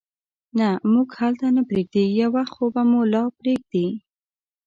نه، موږ هلته نه پرېږدي، یو وخت خو به مو لا پرېږدي.